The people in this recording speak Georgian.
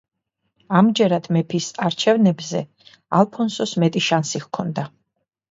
ამჯერად მეფის არჩევნებზე ალფონსოს მეტი შანსი ჰქონდა.